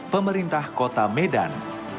pemerintah kota medan